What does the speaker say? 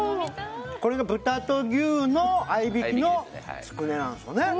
これが豚と牛の合いびきのつくねなんですよね